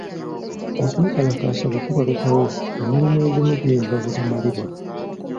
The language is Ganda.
Okwekalakaasa bwe kubalukawo, emirimu egimu giyinza obutamalibwa.